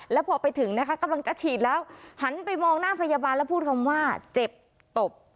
แล้วพอไปถึงนะคะกำลังจะฉีดแล้วหันไปมองหน้าพยาบาลแล้วพูดคำว่าเจ็บตบ